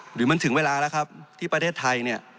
หรือมันถึงเวลาแล้วครับที่ประเทศไทยเนี่ย